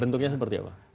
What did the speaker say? bentuknya seperti apa